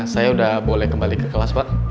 saya udah boleh kembali ke kelas pak